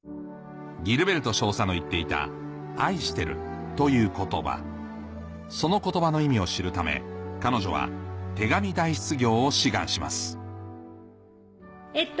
ギルベルト少佐の言っていた「愛してる」という言葉その言葉の意味を知るため彼女は手紙代筆業を志願しますえっと